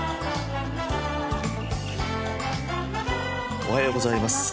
おはようございます。